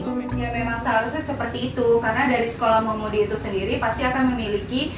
ya memang seharusnya seperti itu karena dari sekolah momodi itu sendiri pasti akan memiliki